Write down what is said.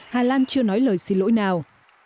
hà lan chưa nói lời xin lỗi nào